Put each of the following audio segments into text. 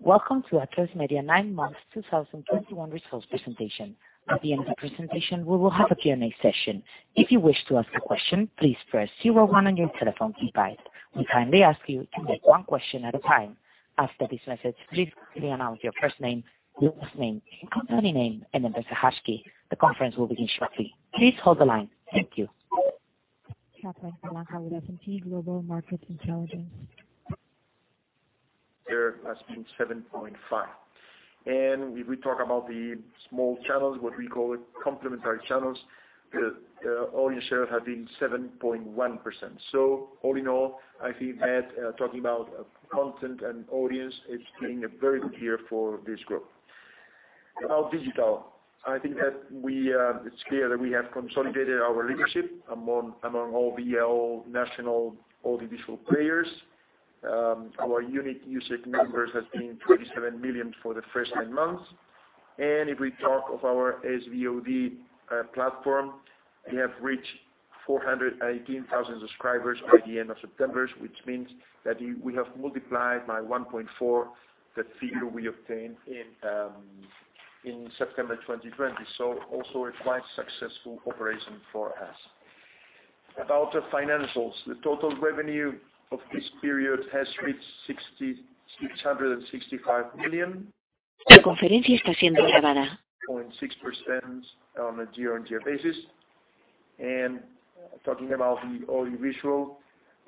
Welcome to Atresmedia nine months 2021 results presentation. At the end of the presentation, we will have a Q&A session. If you wish to ask a question, please press zero one on your telephone keypad We kindly ask you to make one question at a time. The conference will begin shortly. Thank you. Kathleen Milano with S&P Global Market Intelligence. There has been 7.5%. If we talk about the small channels, what we call complementary channels, the audience share has been 7.1%. All in all, I think that talking about content and audience, it's been a very good year for this group. About digital, I think that it's clear that we have consolidated our leadership among all the national audiovisual players. Our unique user numbers have been 27 million for the first 10 months. If we talk of our SVOD platform, we have reached 418,000 subscribers by the end of September, which means that we have multiplied by 1.4x the figure we obtained in September 2020. Also a quite successful operation for us. About the financials, the total revenue of this period has reached 665 million. 6.6% on a year-on-year basis. Talking about the audiovisual,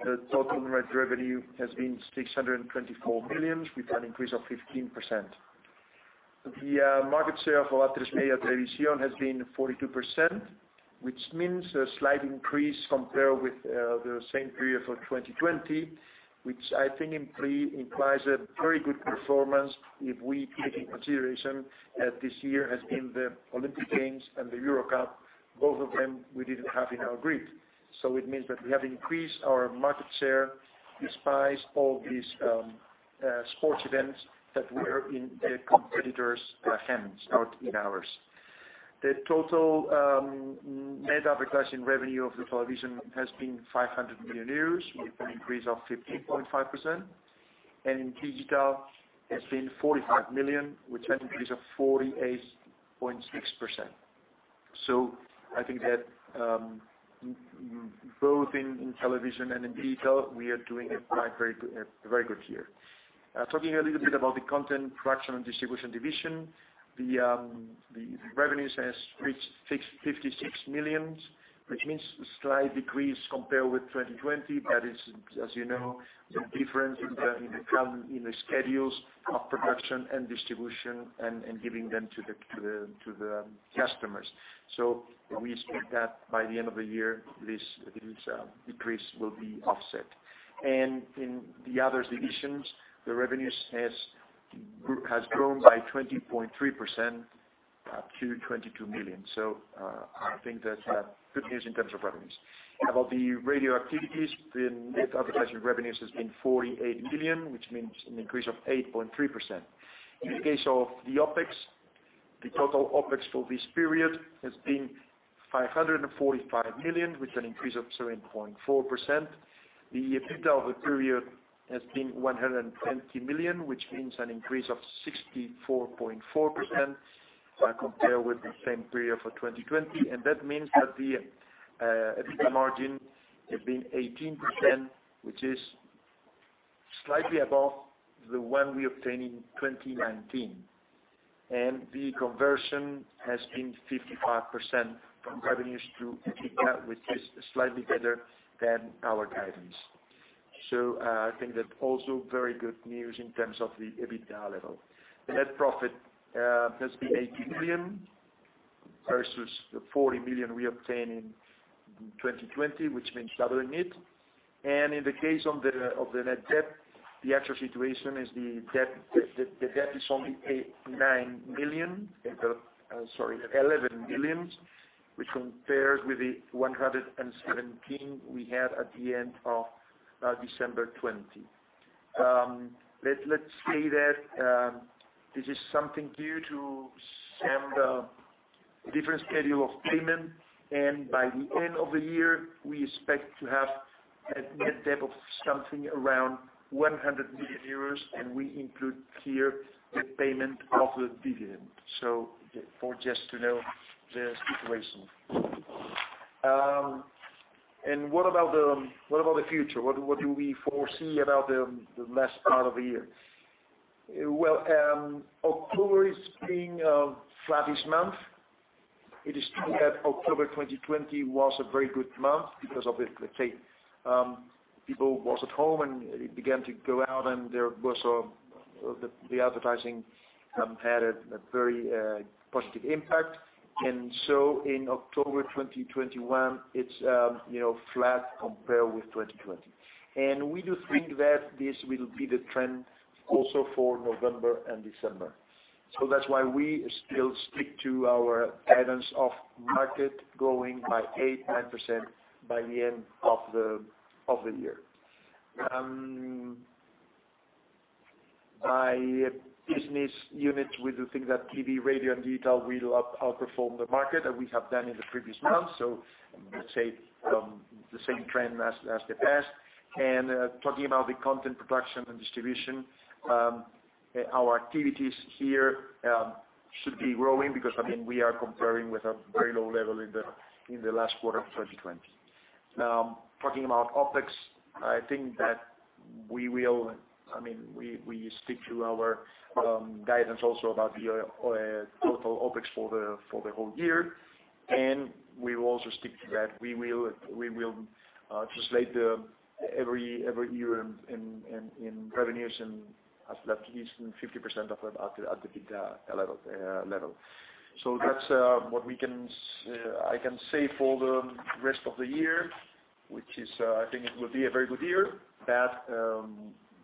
the total net revenue has been 624 million, with an increase of 15%. The market share for Atresmedia Televisión has been 42%, which means a slight increase compared with the same period for 2020, which I think implies a very good performance if we put into consideration that this year has been the Olympic Games and the Euro Cup, both of them we didn't have in our grid. It means that we have increased our market share despite all these sports events that were in the competitors' hands, not in ours. The total net advertising revenue of the television has been 500 million euros, with an increase of 15.5%. In digital, it's been 45 million, with an increase of 48.6%. I think that both in television and in digital, we are doing a very good year. Talking a little bit about the content production and distribution division, the revenues has reached 56 million, which means a slight decrease compared with 2020. That is, as you know, the difference in the schedules of production and distribution and giving them to the customers. We expect that by the end of the year, this decrease will be offset. In the other divisions, the revenues has grown by 20.3% to 22 million. I think that's good news in terms of revenues. About the radio activities, the net advertising revenues has been 48 million, which means an increase of 8.3%. In the case of the OpEx, the total OpEx for this period has been 545 million, with an increase of 7.4%. The EBITDA of the period has been 120 million, which means an increase of 64.4% compared with the same period for 2020. That means that the EBITDA margin has been 18%, which is slightly above the one we obtained in 2019. The conversion has been 55% from revenues to EBITDA, which is slightly better than our guidance. I think that also very good news in terms of the EBITDA level. The net profit has been 8 million versus the 40 million we obtained in 2020, which means doubling it. In the case of the net debt, the actual situation is the debt is only 9 million. Sorry, 11 million, which compared with the 117 we had at the end of December 2020. Let's say that this is something due to some different schedule of payment, and by the end of the year, we expect to have a net debt of something around 100 million euros, and we include here the payment of the dividend. For just to know the situation. What about the future? What do we foresee about the last part of the year? Well, October is being a flattish month. It is true that October 2020 was a very good month because of, let's say, people was at home and began to go out, and the advertising had a very positive impact. In October 2021, it's flat compared with 2020. We do think that this will be the trend also for November and December. That's why we still stick to our guidance of market growing by 8%-9% by the end of the year. By business unit, we do think that TV, radio, and digital will outperform the market as we have done in the previous months. Let's say the same trend as the past. Talking about the content production and distribution, our activities here should be growing because we are comparing with a very low level in the last quarter of 2020. Now, talking about OpEx, I think that we will stick to our guidance also about the total OpEx for the whole year. We will also stick to that. We will translate every year in revenues and at least 50% of that at the EBITDA level. That's what I can say for the rest of the year, which is, I think it will be a very good year.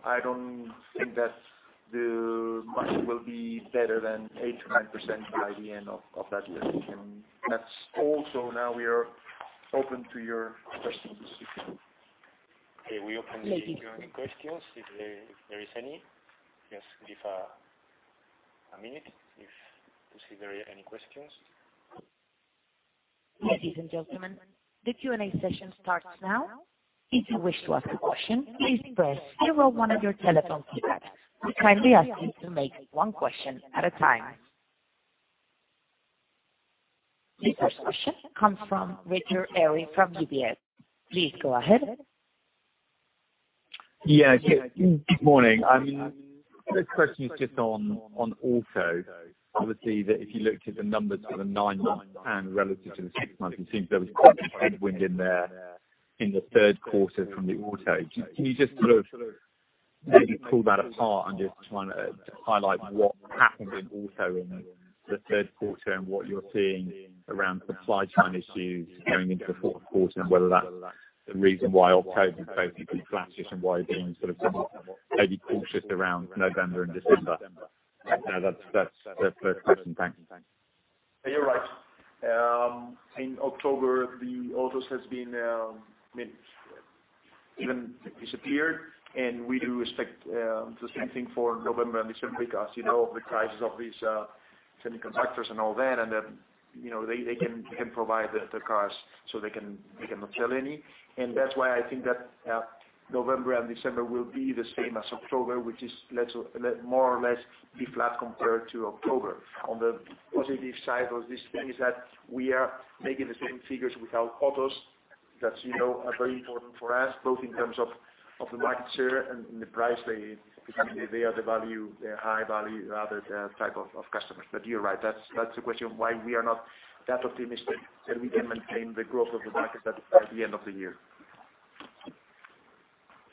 I don't think that the margin will be better than 8%-9% by the end of that year. That's all. Now we are open to your questions. Okay. We open the Q&A questions, if there is any. Just give a minute to see if there are any questions. Ladies and gentlemen, the Q&A session starts now. If you wish to ask a question, please press zero one of your telephone keypads. We kindly ask you to make one question at a time. The first question comes from Richard Eary from UBS. Please go ahead. Yeah. Good morning. This question is just on auto. Obviously, if you looked at the numbers for the nine months and relative to the six months, it seems there was quite a headwind in there in the third quarter from the auto. Can you just maybe pull that apart and just try to highlight what happened in auto in the third quarter and what you're seeing around supply chain issues going into the fourth quarter, and whether that's the reason why October is basically flattish and why you're being somewhat maybe cautious around November and December? That's the first question. Thanks. You're right. In October, autos have even disappeared, and we do expect the same thing for November and December because of the crisis of these semiconductors and all that. Then they can provide the cars so they cannot sell any. That's why I think that November and December will be the same as October, which is more or less be flat compared to October. On the positive side of this thing is that we are making the same figures without autos. That's very important for us, both in terms of the market share and the price. They are the high-value type of customers. You're right. That's the question of why we are not that optimistic that we can maintain the growth of the market by the end of the year.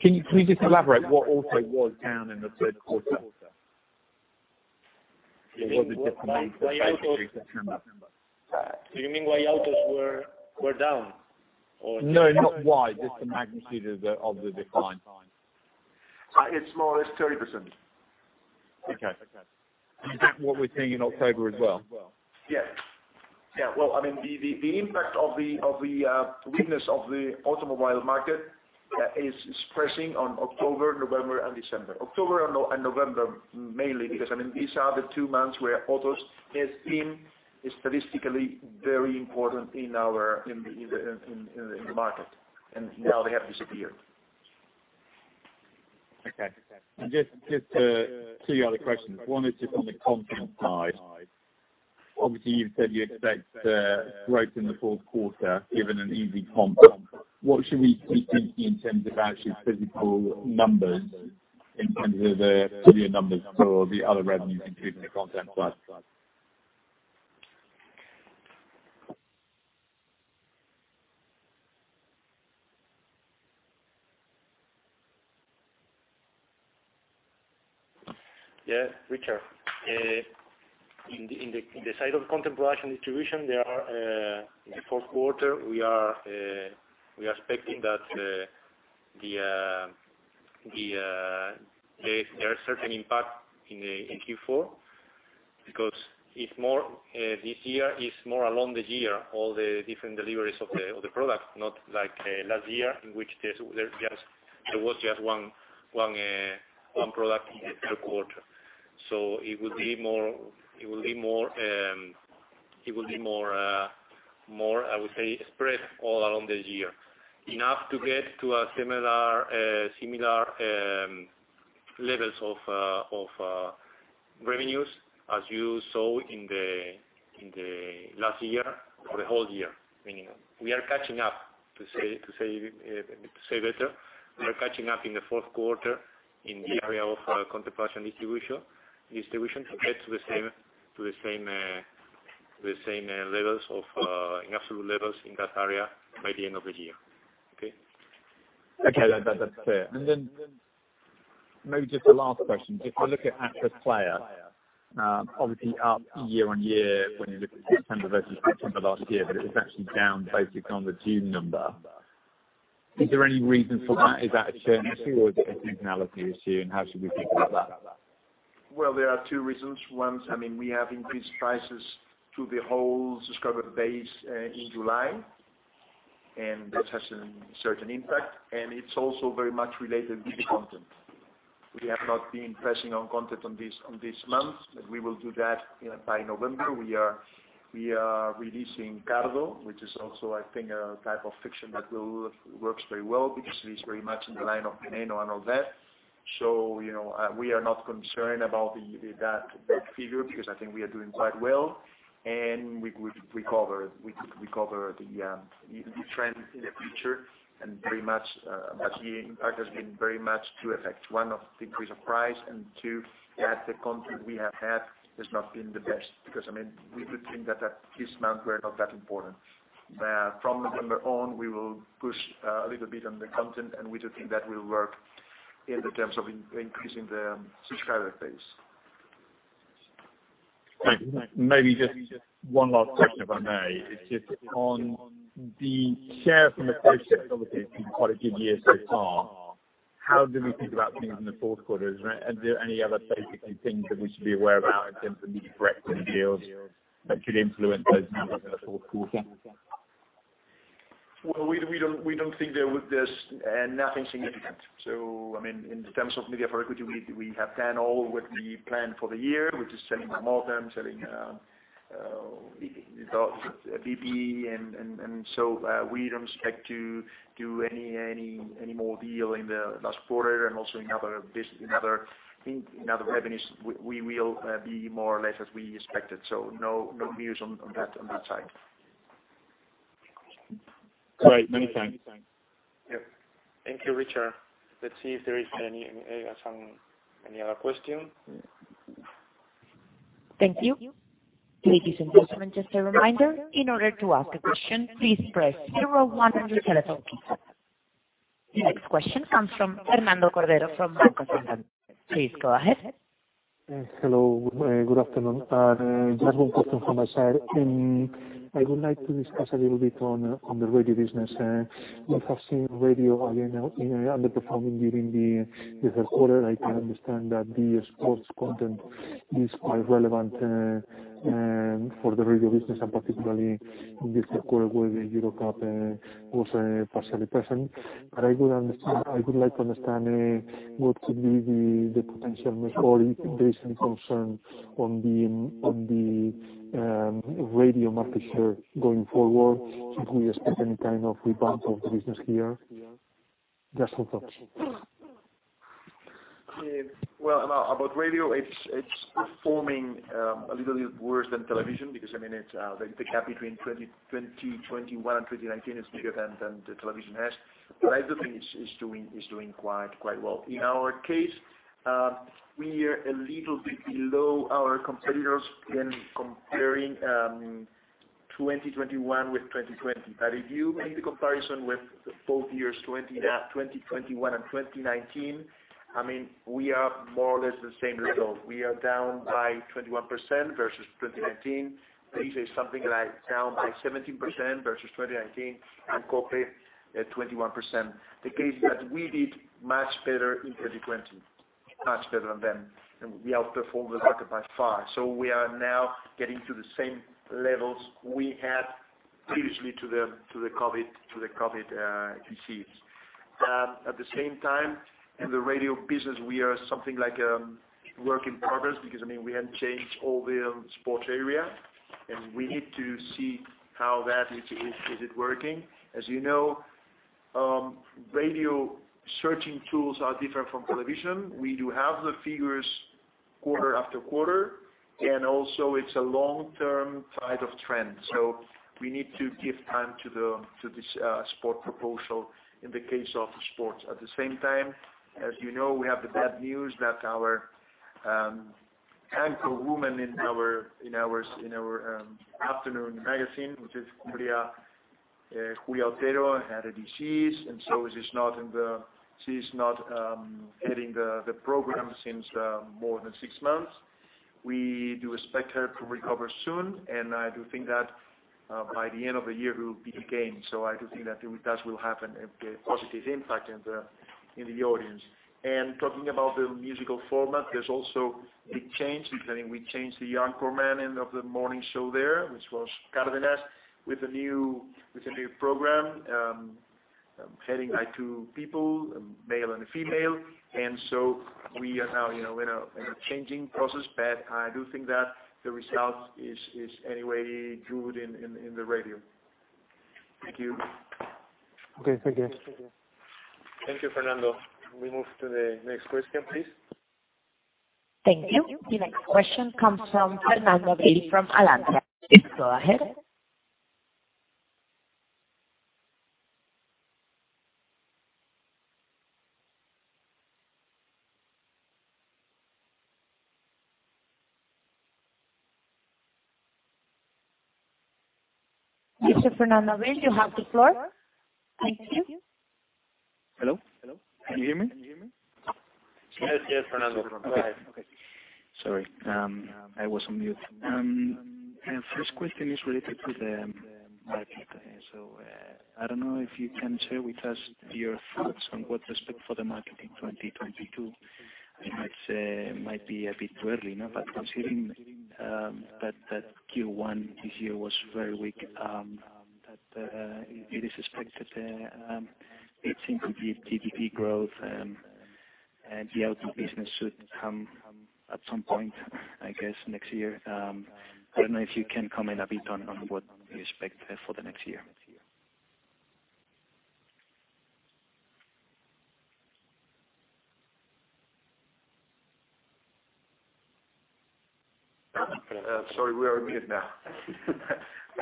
Can you please just elaborate what auto was down in the third quarter? Was it just mainly September? Do you mean why autos were down? No, not why, just the magnitude of the decline. It's more or less 30%. Okay. Is that what we're seeing in October as well? Yes. Well, the impact of the weakness of the automobile market is pressing on October, November and December. October and November, mainly, because these are the two months where autos have been statistically very important in the market, and now they have disappeared. Okay. Just two other questions. One is just on the content side. Obviously, you've said you expect growth in the fourth quarter, given an easy comp. What should we be thinking in terms of actual physical numbers in terms of the studio numbers for the other revenues, including the Atresmedia Diversificación? Yeah. Richard. In the side of Atresmedia Diversificación and distribution, in the fourth quarter, we are expecting that there are certain impact in Q4 because this year is more along the year, all the different deliveries of the products, not like last year, in which there was just one product per quarter. It will be more, I would say, spread all along this year. Enough to get to similar levels of revenues as you saw in the last year or the whole year. Meaning we are catching up, to say better. We are catching up in the fourth quarter in the area of Atresmedia Diversificación and distribution to get to the same absolute levels in that area by the end of the year. Okay. Okay. That's clear. Maybe just a last question. If we look at Atresplayer, obviously up year-on-year, when you look at September versus September last year, but it was actually down basically on the June number. Is there any reason for that? Is that a seasonality or is it a seasonality issue, and how should we think about that? Well, there are two reasons. One, we have increased prices to the whole subscriber base in July. This has a certain impact, and it's also very much related to the content. We have not been pressing on content on this month, but we will do that by November. We are releasing Cardo, which is also, I think, a type of fiction that works very well because it is very much in the line of Veneno and all that. We are not concerned about that figure because I think we are doing quite well, and we cover the trend in the future and very much. The impact has been very much two effects. One, of the increase of price, and two, that the content we have had has not been the best because we do think that, this month, we are not that important. From November on, we will push a little bit on the content, and we do think that will work in the terms of increasing the subscriber base. Thank you. Maybe just one last question, if I may. It's just on the share from Atresmedia. It's been quite a good year so far. How do we think about things in the fourth quarter? Is there any other basic things that we should be aware about in terms of these Brexit deals that should influence those numbers in the fourth quarter? Well, we don't think there's nothing significant. In terms of media for equity, we have done all what we planned for the year, which is selling Mega, selling Bipi. We don't expect to do any more deal in the last quarter and also in other revenues. We will be more or less as we expected. No news on that side. Great. Many thanks. Yep. Thank you, Richard. Let's see if there are any other questions. Thank you. Ladies and gentlemen, just a reminder. The next question comes from Fernando Cordero from Banco Santander. Please go ahead. Hello. Good afternoon. Just one question from my side. I would like to discuss a little bit on the radio business. We have seen radio underperforming during the third quarter. I can understand that the sports content is quite relevant for the radio business, and particularly in this third quarter where the Euro Cup was partially present. I would like to understand what could be the potential or if there is any concern on the radio market share going forward. Should we expect any kind of rebound of the business here? Just some thoughts. Well, about radio, it's performing a little bit worse than television because the gap between 2021 and 2019 is bigger than the television has. I do think it's doing quite well. In our case, we are a little bit below our competitors when comparing 2021 with 2020. If you make the comparison with both years, 2021 and 2019, we are more or less the same result. We are down by 21% versus 2019. PRISA is something like down by 17% versus 2019, and COPE at 21%. The case that we did much better in 2020. Much better than them. We outperformed the market by far. We are now getting to the same levels we had previously to the COVID disease. At the same time, in the radio business, we are something like a work in progress because we have changed all the sports area, and we need to see how that is working. As you know, radio searching tools are different from television. We do have the figures quarter after quarter, and also it's a long-term type of trend. We need to give time to this sport proposal in the case of sports. At the same time, as you know, we have the bad news that our anchor woman in our afternoon magazine, which is Julia, Julia Otero, had a disease, and so she's not heading the program since more than six months. We do expect her to recover soon, and I do think that by the end of the year, we will be again. I do think that with us, will have a positive impact in the audience. Talking about the musical format, there's also a big change. We changed the anchorman of the morning show there, which was Cárdenas, with a new program, heading by two people, a male and a female. We are now in a changing process, but I do think that the result is anyway good in the radio. Thank you. Okay. Thank you. Thank you, Fernando. Can we move to the next question, please? Thank you. The next question comes from Fernando Abril-Martorell from Alantra. Please go ahead. Mr. Fernando Abril-Martorell, you have the floor. Thank you. Hello? Can you hear me? Yes. Fernando, go ahead. Okay. Sorry. I was on mute. First question is related to the market. I don't know if you can share with us your thoughts on what to expect for the market in 2022. It might be a bit too early now, but considering that Q1 this year was very weak, that it is expected 18% of GDP growth and the outdoor business should come at some point, I guess, next year. I don't know if you can comment a bit on what you expect for the next year. Sorry, we are muted now.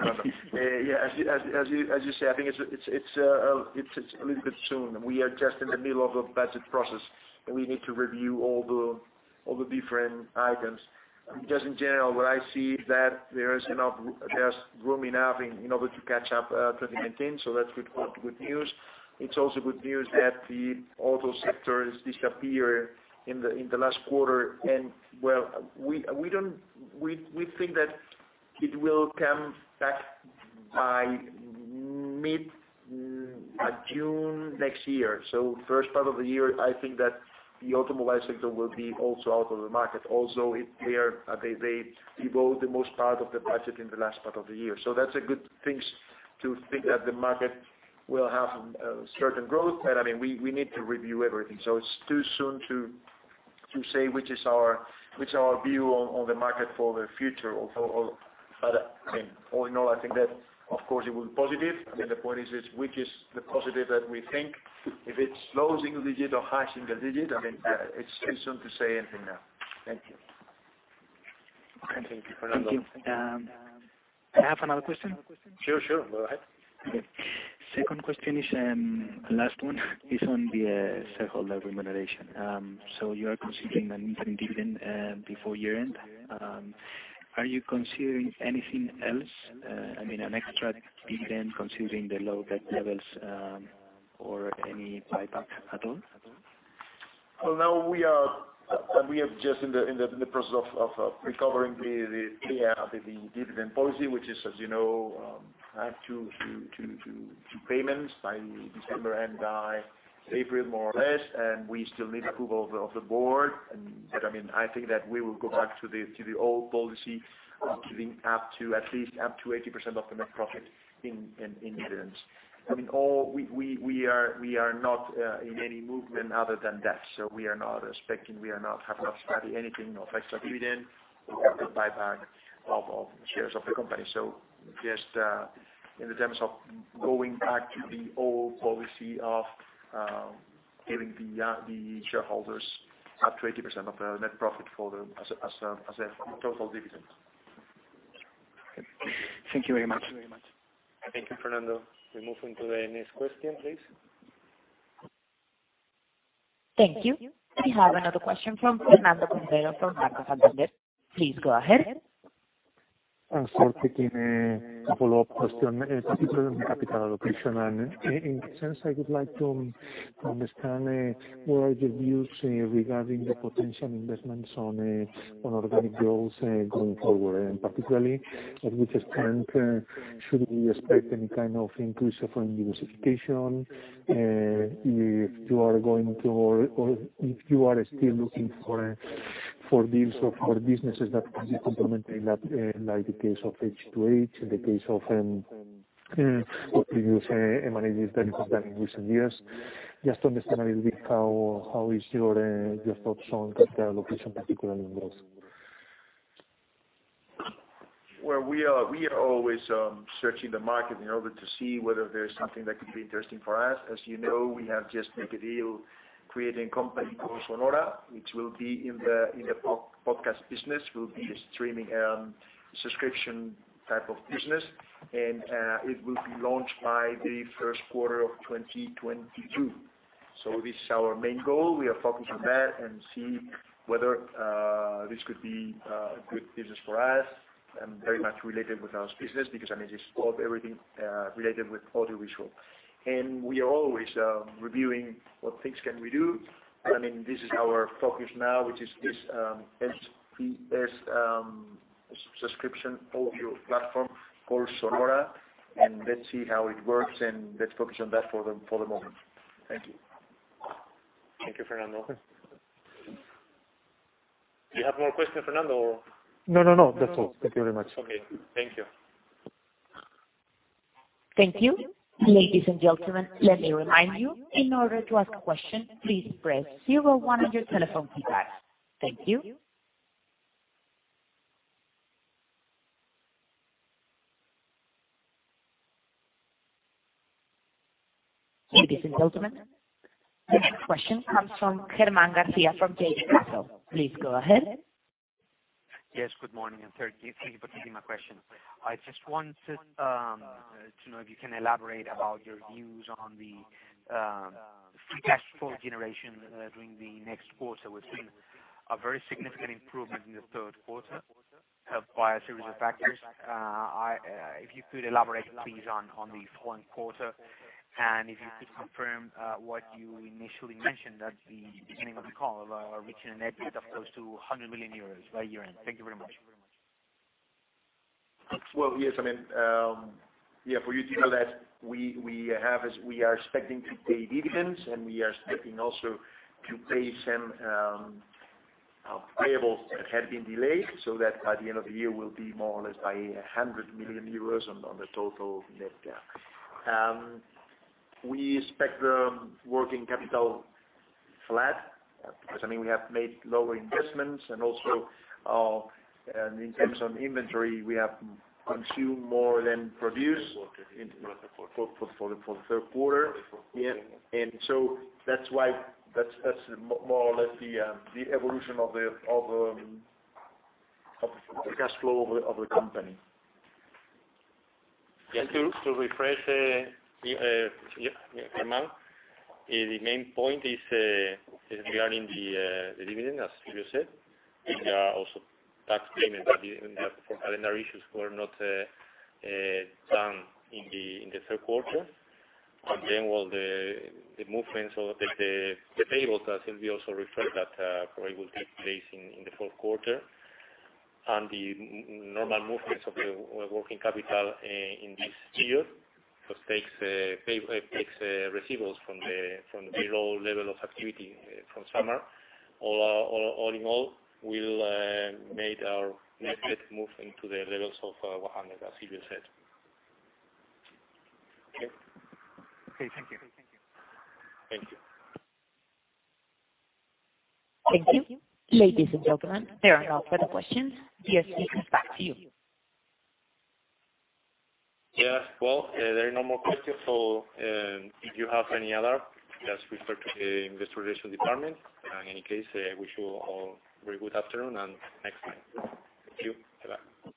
As you say, I think it's a little bit soon. We are just in the middle of a budget process, and we need to review all the different items. Just in general, what I see is that there is room enough in order to catch up 2019. That's good news. It's also good news that the auto sector has disappeared in the last quarter. We think that it will come back by mid-June next year. First part of the year, I think that the automobile sector will be also out of the market. Also, they devote the most part of the budget in the last part of the year. That's a good thing to think that the market will have certain growth. We need to review everything. It's too soon to say which our view on the market for the future. All in all, I think that, of course, it will be positive. The point is which is the positive that we think. If it's low single digit or high single digit, it's too soon to say anything now. Thank you. Thank you, Fernando. Can I have another question? Sure. Go ahead. Okay. Second question is, last one, is on the shareholder remuneration. You are considering an interim dividend before year-end. Are you considering anything else? An extra dividend considering the low debt levels, or any buyback at all? Well, now we are just in the process of recovering the dividend policy, which is, as you know, two payments by December and by April, more or less, and we still need approval of the board. I think that we will go back to the old policy of giving at least up to 80% of the net profit in dividends. We are not in any movement other than that. We are not expecting, we have not studied anything of extra dividend or the buyback of shares of the company. Just in the terms of going back to the old policy of giving the shareholders up to 80% of the net profit as a total dividend. Okay. Thank you very much. Thank you, Fernando. We move into the next question, please. Thank you. We have another question from Fernando Cordero from Banco Santander. Please go ahead. I'm thinking a follow-up question. It is on capital allocation. In that sense, I would like to understand what are the views regarding the potential investments on organic growth going forward. Particularly, at which point should we expect any kind of increase of diversification, if you are still looking for deals or for businesses that can be complementary, like the case of H2H, in the case of what you say M&As that you have done in recent years. Just to understand a little bit how is your thoughts on capital allocation, particularly in growth. Well, we are always searching the market in order to see whether there's something that could be interesting for us. As you know, we have just made a deal creating a company called Sonora, which will be in the podcast business, will be a streaming subscription type of business, and it will be launched by the first quarter of 2022. This is our main goal. We are focused on that and see whether this could be a good business for us, and very much related with our business, because it's everything related with audiovisual. We are always reviewing what things can we do. This is our focus now, which is this SPS subscription audio platform called Sonora, and let's see how it works and let's focus on that for the moment. Thank you. Thank you, Fernando. Do you have more questions, Fernando? No. That's all. Thank you very much. Okay. Thank you. Thank you. Ladies and gentlemen, let me remind you, in order to ask a question, please press zero one on your telephone keypad. Thank you. Ladies and gentlemen, the next question comes from Germán García Bou from JB Capital Markets. Please go ahead. Yes, good morning. Thank you for taking my question. I just wanted to know if you can elaborate about your views on the free cash flow generation during the next quarter. We've seen a very significant improvement in the third quarter helped by a series of factors. If you could elaborate, please, on the following quarter, and if you could confirm what you initially mentioned at the beginning of the call about reaching a net debt of close to 100 million euros by year-end. Thank you very much. Well, yes. For you to know that we are expecting to pay dividends, and we are expecting also to pay some payables that had been delayed, so that by the end of the year, we'll be more or less by 100 million euros on the total net debt. We expect the working capital flat because we have made lower investments, and also in terms of inventory, we have consumed more than produced for the third quarter. That's more or less the evolution of the cash flow of the company. To refresh, Germán García, the main point is regarding the dividend, as Silvio said. There are also tax payments that for calendar issues were not done in the third quarter. Then the movements of the payables that Silvio also referred that probably will take place in the fourth quarter. The normal movements of the working capital in this year, because it takes receivables from zero level of activity from summer. All in all, we'll make our net debt move into the levels of 100, as Silvio said. Okay. Thank you. Thank you. Thank you. Ladies and gentlemen, there are no further questions. JC, back to you. Yeah. Well, there are no more questions, so if you have any other, just refer to the investor relations department. In any case, I wish you all a very good afternoon, and next time. Thank you. Bye-bye.